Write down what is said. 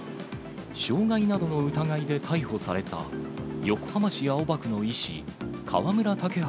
傷害などの疑いで逮捕された横浜市青葉区の医師、河村岳晴